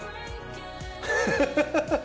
ハハハハッ！